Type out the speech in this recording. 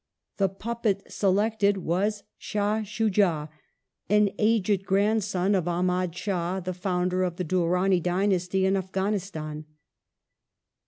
The puppet selected was Shdh Shuja, an aged grandson of Ahmad Shdh, the founder of the Durani dynasty in Afghanistan.